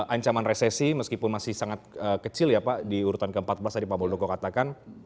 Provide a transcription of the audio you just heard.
ancaman resesi meskipun masih sangat kecil ya pak di urutan ke empat belas tadi pak muldoko katakan